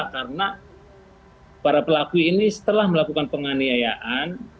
karena para pelaku ini setelah melakukan penganiayaan